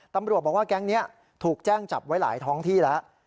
ตำรวจบอกว่าแก๊งนี้ถูกแจ้งจับไว้หลายท้องที่แล้ว